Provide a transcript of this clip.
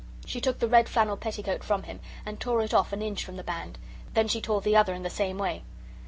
She took the red flannel petticoat from him and tore it off an inch from the band. Then she tore the other in the same way.